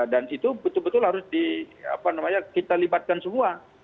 dan itu betul betul harus kita libatkan semua